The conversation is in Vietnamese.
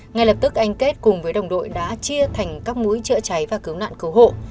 ngay lập tức anh kết cùng với đồng đội đã chia thành các mũi chữa cháy và cứu nạn cứu hộ